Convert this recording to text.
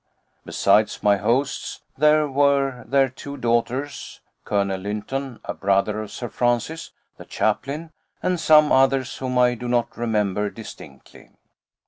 Besides my hosts, there were their two daughters, Colonel Lynton, a brother of Sir Francis, the chaplain, and some others whom I do not remember distinctly.